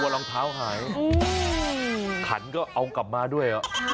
รองเท้าหายขันก็เอากลับมาด้วย